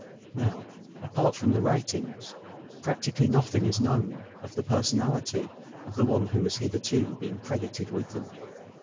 Now, apart from the writings practically nothing is known of the personality of the one who has hitherto been credited with them.